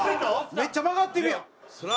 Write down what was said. めっちゃ曲がってるやん！